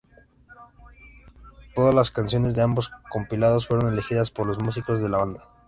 Todas las canciones de ambos compilados fueron elegidas por los músicos de la banda.